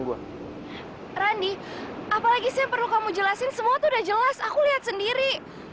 rani apalagi sih yang perlu kamu jelasin semua tuh udah jelas aku lihat sendiri